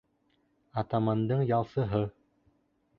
Атамандың ялсыһы.